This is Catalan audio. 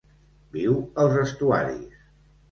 Viu als estuaris.